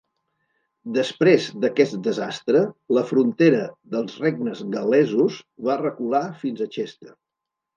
Després d'aquest desastre la frontera dels regnes gal·lesos va recular fins a Chester.